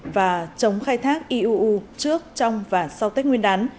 và chống khai thác iuu trước trong và sau tết nguyên đán